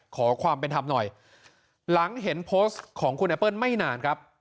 ขอความเป็นธรรมหน่อยหลังเห็นโพสต์ของคุณแอปเปิ้ลไม่นานครับ